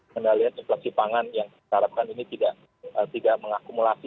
kendalian inflasi pangan yang diharapkan ini tidak mengakumulasi